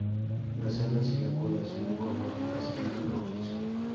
Las alas y la cola son de color castaño rojizo.